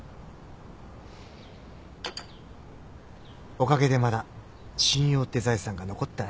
おかげでまだ信用って財産が残ってたね。